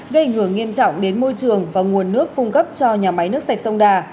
gây ảnh hưởng nghiêm trọng đến môi trường và nguồn nước cung cấp cho nhà máy nước sạch sông đà